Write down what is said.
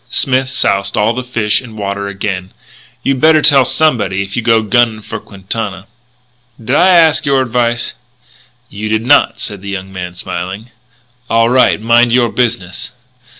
Smith soused all the fish in water again: "You'd better tell somebody if you go gunning for Quintana." "Did I ask your advice?" "You did not," said the young man, smiling. "All right. Mind your business."